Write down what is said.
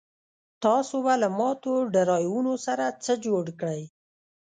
تاسو به له ماتو ډرایوونو سره څه جوړ کړئ